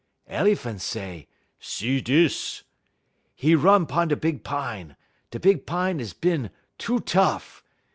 "El'phan' say: 'See dis!' "'E run 'pon da big pine; da big pine is bin too tough.